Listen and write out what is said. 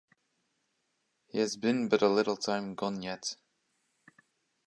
He has been but a little time gone yet.